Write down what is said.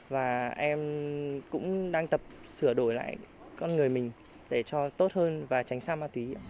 và em cũng đang tập sửa đổi lại con người mình để cho tốt hơn và tránh xa ma túy